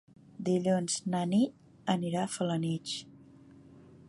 Dilluns na Nit anirà a Felanitx.